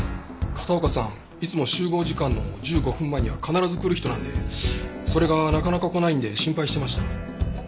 片岡さんいつも集合時間の１５分前には必ず来る人なんでそれがなかなか来ないんで心配してました。